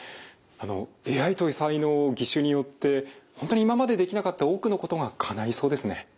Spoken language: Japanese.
ＡＩ搭載の義手によって本当に今までできなかった多くのことがかないそうですね。